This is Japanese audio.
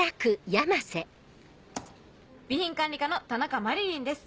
「備品管理課の田中麻理鈴です。